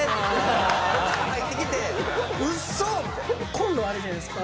コンロあるじゃないですか。